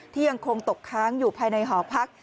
ยังคงตกค้างอยู่ภายในหอพัก